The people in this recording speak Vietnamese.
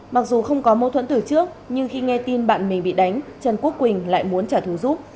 mặc dù không có mâu thuẫn từ trước nhưng khi nghe tin bạn mình bị đánh trần quốc quỳnh lại muốn trả thù giúp